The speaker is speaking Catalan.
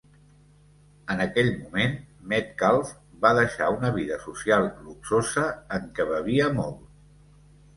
En aquell moment, Metcalf va deixar una vida social luxosa en què bevia molt.